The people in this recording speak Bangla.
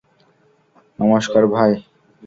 নমস্কার, ভাই।